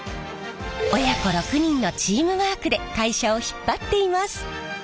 親子６人のチームワークで会社を引っ張っています。